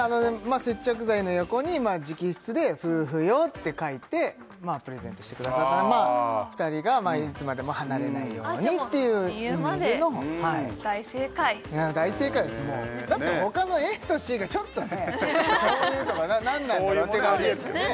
接着剤の横に直筆で「夫婦よ」って書いてプレゼントしてくださった２人がいつまでも離れないようにっていう意味でのじゃもう理由まで大正解大正解ですもうだってほかのＡとＣがちょっとねへえとか何なんだろって感じですよね